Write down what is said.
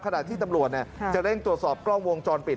ขณะที่ตำรวจจะเร่งตรวจสอบกล้องวงจรปิด